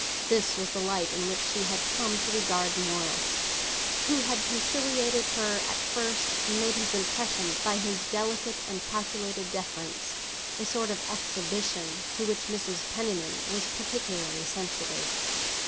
This was the light in which she had come to regard Morris, who had conciliated her at first, and made his impression by his delicate and calculated deference—a sort of exhibition to which Mrs. Penniman was particularly sensitive.